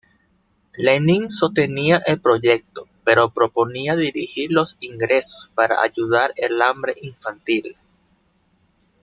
Lenin sostenía el proyecto, pero proponía dirigir los ingresos para ayudar el hambre infantil.